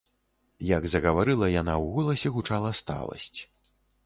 Як загаварыла яна, у голасе гучала сталасць.